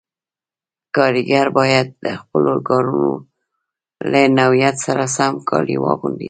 کاریګر باید د خپلو کارونو له نوعیت سره سم کالي واغوندي.